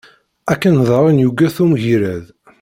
Akken daɣen yuget umgired.